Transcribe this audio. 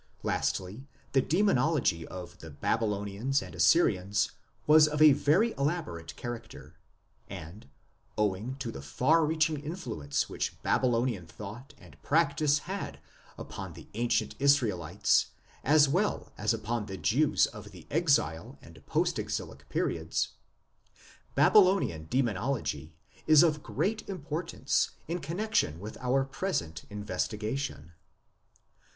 Lastly, the demonology of the Babylonians and Assyrians was of a very elaborate character, and, owing to the far reaching influence which Babylonian thought and practice had upon the ancient Israelites as well as upon the Jews of the exilic and post exilic periods, Babylonian demonology is of great im portance in connexion with our present investigation.